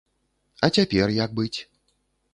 А цяпер як быць?